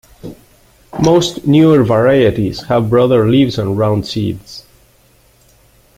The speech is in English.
Most newer varieties have broader leaves and round seeds.